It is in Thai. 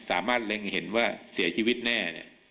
สามารถเล็งเห็นว่าเสียชีวิตแน่